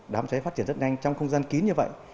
đám cháy phát triển rất nhanh trong không gian kín như vậy